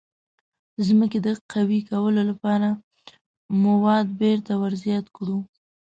د ځمکې د قوي کولو لپاره مواد بیرته ور زیات کړو.